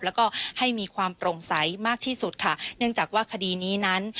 แล้วก็ให้มีความโปร่งใสมากที่สุดค่ะเนื่องจากว่าคดีนี้นั้น